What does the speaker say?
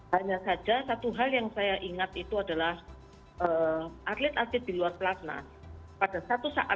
hanya saja satu hal yang saya ingat itu adalah atlet atlet di luar pelatnas